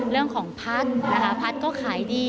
เรื่องของพัดนะคะพัดก็ขายดี